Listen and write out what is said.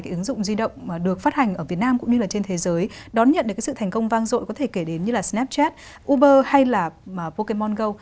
cái ứng dụng di động được phát hành ở việt nam cũng như là trên thế giới đón nhận được cái sự thành công vang dội có thể kể đến như là snapchat uber hay là pokemongo